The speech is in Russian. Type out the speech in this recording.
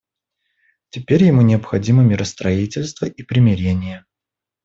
Теперь ему необходимо миростроительство и примирение.